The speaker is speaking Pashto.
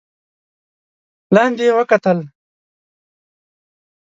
لاندې يې وکتل.